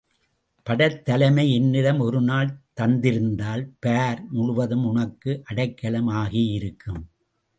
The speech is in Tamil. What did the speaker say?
படைத் தலைமை என்னிடம் ஒரு நாள் தந்திருந்தால் பார் முழுவதும் உனக்கு அடைக்கலம் ஆகியிருக்கும்.